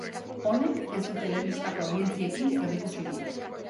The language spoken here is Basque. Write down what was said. Honek ez du telebistako audientziekin zerikusirik.